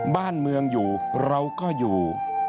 บ้านเมืองอยู่เราก็อยู่